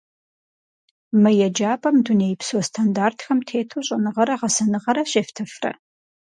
Мы еджапӏэм дунейпсо стандартхэм тету щӏэныгъэрэ гъэсэныгъэ щефтыфрэ?